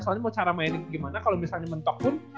soalnya mau cara mainnya gimana kalo misalnya mentok pun